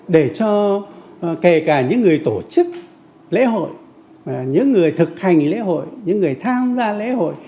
để cho kể cả những người tổ chức lễ hội những người thực hành lễ hội những người tham gia lễ hội